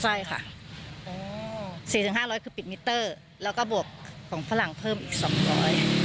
ใช่ค่ะอ๋อสี่ถึงห้าร้อยคือปิดมิเตอร์แล้วก็บวกของฝรั่งเพิ่มอีกสองร้อย